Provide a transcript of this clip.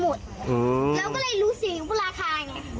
เราก็เลยรู้สึกราคาไง